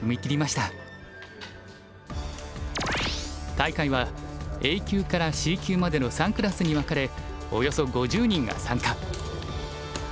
大会はＡ級からＣ級までの３クラスに分かれおよそ５０人が参加。